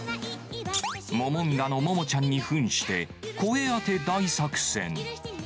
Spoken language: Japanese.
モモンガのモモちゃんにふんして、声当て大作戦。